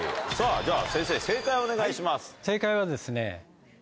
じゃあ先生正解をお願いします。